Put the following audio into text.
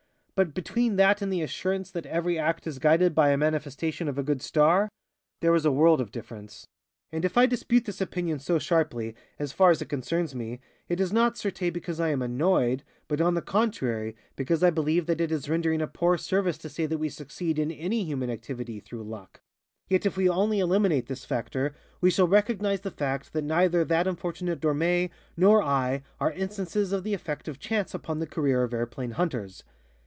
But between that and the assurance that every act is guided by a manifestation of a good star there is a world of difference. And if I dispute this opinion so sharply, as far as it concerns me, it is not, certes, because I am annoyed, but, on the contrary, because I believe that it is rendering a poor service to say that we succeed in any human activity through luck. Yet if we will only eliminate this factor we shall recognize the fact that neither that unfortunate Dormé nor I are instances of the effect of chance upon the career of airplane hunters.